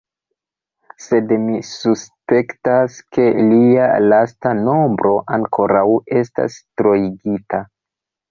Sed mi suspektas, ke lia lasta nombro ankoraŭ estas troigita.